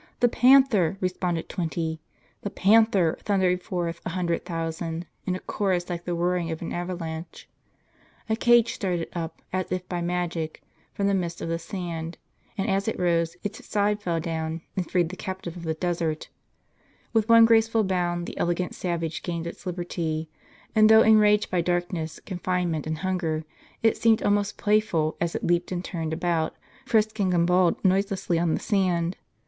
"The panther!" resjjonded twenty. "The panther!" thundered forth a hun dred thousand, in a chorus like the roaring of an avalanche.* A cage started up, as if by magic, from the midst of the sand, and as it rose its side fell down, and freed the captive of the desert, t With one graceful bound the elegant savage gained its liberty; and, though enraged by darkness, confinement, and hunger, it seemed almost playful, as it leaped and turned about, frisked and gambolled noiselessly on the sand.